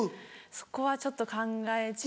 そこはちょっと考え中ですね。